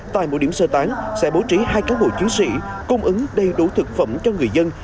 tại mỗi điểm sơ tán sẽ bố trí hai cán bộ chiến sĩ cung ứng đầy đủ thực phẩm cho người dân